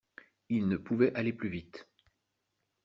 Il ne pouvait aller plus vite...